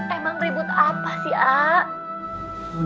emang ribut apa sih ak